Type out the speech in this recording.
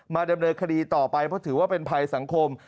ดำเนินคดีต่อไปเพราะถือว่าเป็นภัยสังคม